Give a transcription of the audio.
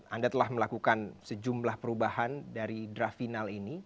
anda telah melakukan sejumlah perubahan dari draft final ini